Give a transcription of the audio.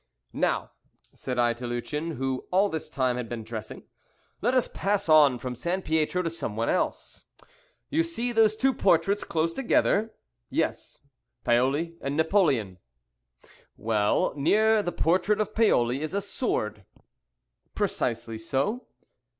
"Now," said I to Lucien, who all this time had been dressing, "let us pass on from Sampietro to some one else." "You see those two portraits close together?" "Yes, Paoli and Napoleon." "Well, near the portrait of Paoli is a sword." "Precisely so."